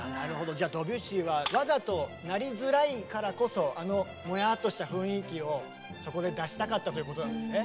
じゃあドビュッシーはわざと鳴りづらいからこそあのもやっとした雰囲気をそこで出したかったということなんですね。